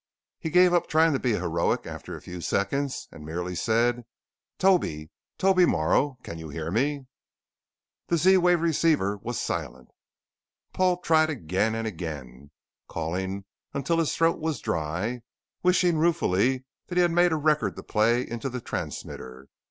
He gave up trying to be heroic after a few seconds, and merely said: "Toby! Toby Morrow! Can you hear me?" The Z wave receiver was silent. Paul tried again and again, calling until his throat was dry, wishing ruefully that he had made a record to play into the transmitter.